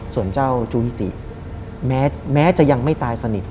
ส่วนเจ้าจูฮิติแม้จะยังไม่ตายสนิท